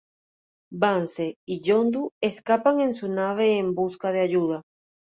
Vance y Yondu escapan en su nave en busca de ayuda.